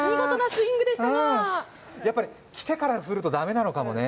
やっぱり来てから振ると駄目なのかもね。